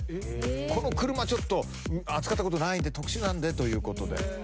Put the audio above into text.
この車ちょっと扱ったことないんで特殊なんでということで。